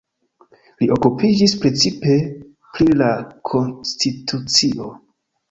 Li okupiĝis precipe pri la konstitucio.